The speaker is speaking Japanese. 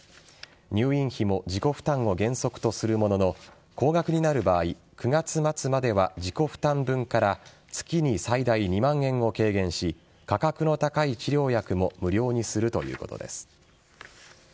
入院費も自己負担を原則とするものの高額になる場合９月末までは自己負担分から月に最大２万円を軽減し価格も高い治療薬も無料にするということです。